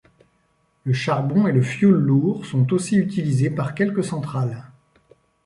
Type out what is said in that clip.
Le charbon et le fioul lourd sont aussi utilisés par quelques centrales.